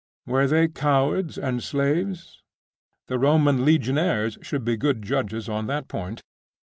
Were they cowards and slaves? The Roman legionaries should be good judges on that point.